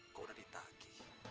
kok udah ditagi